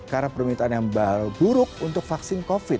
karena permintaan yang baru buruk untuk vaksin covid